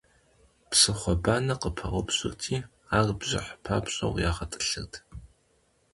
Псыхъуэ банэ къыпаупщӀырти, ар бжыхь папщӀэу ягъэтӀылъырт.